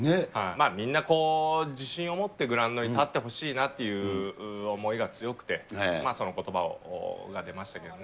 みんなこう、自信を持ってグラウンドに立ってほしいなっていう思いが強くて、そのことばが出ましたけどね。